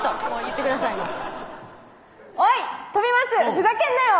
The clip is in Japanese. ふざけんなよ！」